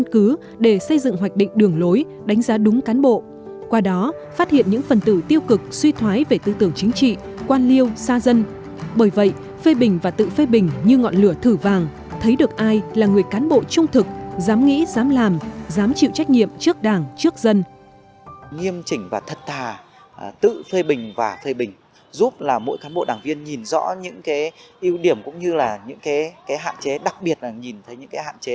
cũng như là những cái hạn chế đặc biệt là nhìn thấy những cái hạn chế